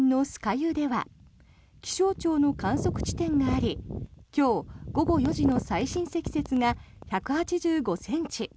湯では気象庁の観測地点があり今日、午後４時の最深積雪が１８５ｃｍ。